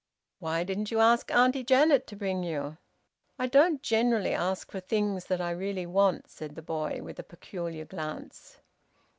"Why didn't you ask Auntie Janet to bring you?" "I don't generally ask for things that I really want," said the boy, with a peculiar glance.